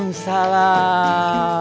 mereka sudah lama sakit